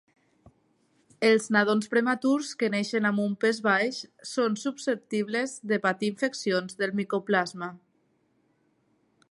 Els nadons prematurs que neixen amb un pes baix són susceptibles de patir infeccions del micoplasma.